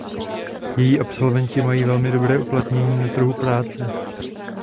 Její absolventi mají velmi dobré uplatnění na trhu práce.